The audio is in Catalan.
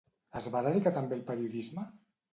Es va dedicar també al periodisme?